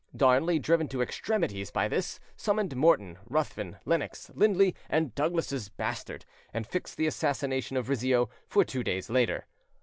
Darnley, driven to extremities by this, summoned Morton, Ruthven, Lennox, Lindley, and Douglas's bastard, and fixed the assassination of Rizzio for two days later.